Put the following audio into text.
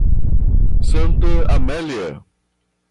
Santa Amélia